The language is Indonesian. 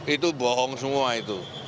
itu bohong semua itu